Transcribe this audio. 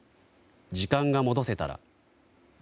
時間が戻せたら。